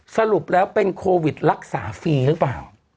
สรุปแล้วเป็นโควิดรักษาฟรีหรือเปล่า